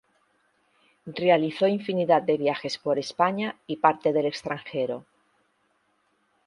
Realizó infinidad de viajes por España y parte de el extranjero.